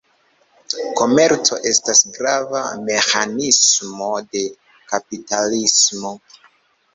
Komerco estas grava meĥanismo de kapitalismo.